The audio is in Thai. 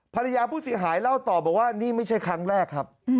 ภรรยาผู้เสียหายเล่าต่อบอกว่านี่ไม่ใช่ครั้งแรกครับ